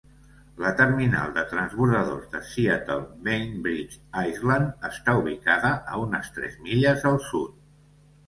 La terminal de transbordadors de Seattle-Bainbridge Island està ubicada a unes tres milles al sud.